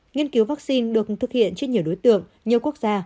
nghiên cứu vaccine được thực hiện trên nhiều đối tượng nhiều quốc gia